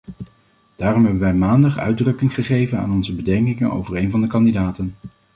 Daarom hebben wij maandag uitdrukking gegeven aan onze bedenkingen over een van de kandidaten.